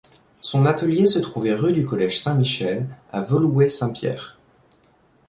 Son atelier se trouvait rue du Collège Saint-Michel à Woluwé-Saint-Pierre.